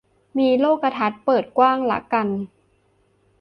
มีโลกทัศน์เปิดกว้างละกัน